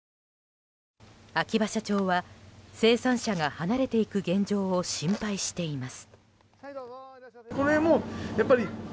秋葉社長は生産者が離れていく現状を心配しています。